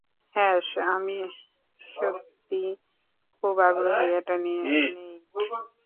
হ্যাঁ, আমি সত্যিই খুব আগ্রহী এটা নিয়ে, নেইট।